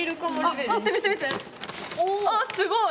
あすごい！